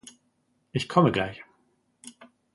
Ich komme gleich.